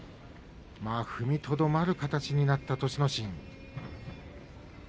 踏みとどまる形になった栃ノ心。